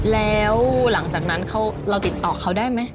แล้วหลังจากนั้นเราติดต่อเขาได้ไหม